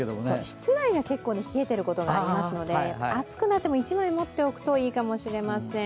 室内が結構冷えていることがありますので暑くなくても一枚持っておくといいかもしれません。